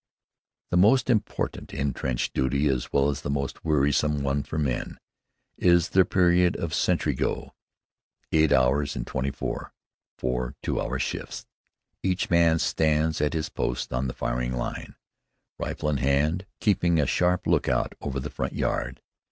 The most important in trench duty, as well as the most wearisome one for the men, is their period on "sentry go." Eight hours in twenty four four two hour shifts each man stands at his post on the firing bench, rifle in hand, keeping a sharp lookout over the "front yard."